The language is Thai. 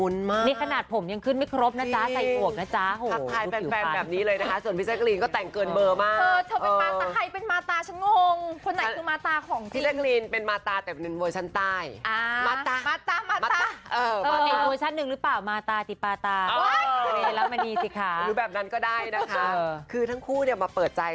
นี่ขนาดผมยังขึ้นไม่ครบนะจ๊ะใส่อีกอวกนะจ๊ะ